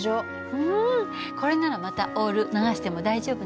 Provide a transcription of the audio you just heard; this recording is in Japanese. うんこれならまたオール流しても大丈夫ね。